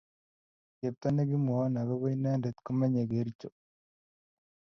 chepto negimwaun agoba inenendet komenye Kericho